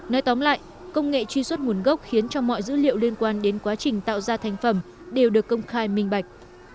nói tóm lại công nghệ truy xuất nguồn gốc khiến cho mọi dữ liệu liên quan đến quá trình tạo ra thành phẩm đều được công khai minh bạch